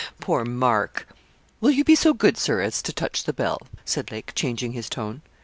Poor Mark!' 'Will you be so good, Sir, as to touch the bell?' said Lake, changing his tone.